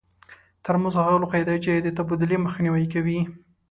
ترموز هغه لوښي دي چې د تبادلې مخنیوی کوي.